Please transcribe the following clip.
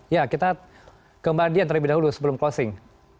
ya kita ke mbak dian terlebih dahulu sebelum closing